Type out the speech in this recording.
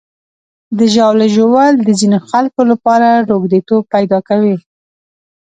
د ژاولې ژوول د ځینو خلکو لپاره روږديتوب پیدا کوي.